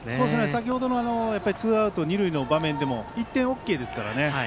先程のツーアウト二塁の場面でも１点ＯＫですからね。